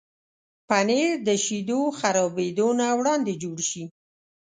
پنېر د شیدو خرابېدو نه وړاندې جوړ شي.